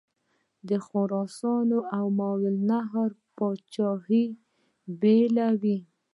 د خراسان او ماوراءالنهر پاچهي بېلې وې.